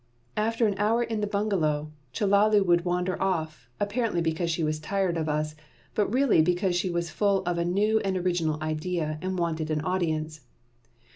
After an hour in the bungalow, Chellalu would wander off, apparently because she was tired of us, but really because she was full of a new and original idea, and wanted an audience.